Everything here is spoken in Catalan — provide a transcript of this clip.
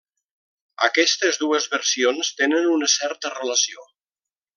Aquestes dues versions tenen una certa relació.